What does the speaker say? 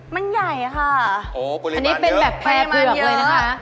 มันใหญ่ค่ะโอ้โฮปริมาณเยอะอันนี้เป็นแบบแพร่เผือกเลยนะคะ